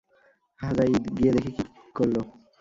যাই গিয়ে দেখি কে করলো।